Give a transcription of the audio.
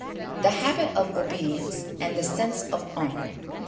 The Habit of Obedience and the Sense of Honour.